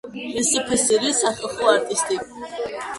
რსფსრ სახალხო არტისტი.